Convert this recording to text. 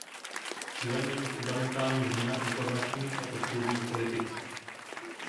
Cílem není fundamentální změna informačních a podpůrných politik.